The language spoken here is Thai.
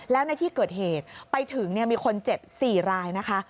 แล้วในที่เกิดเหตุไปถึงมีคนเจ็บ๔รายนะคะ